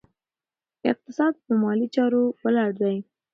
اقتصاد په مالي چارو ولاړ دی.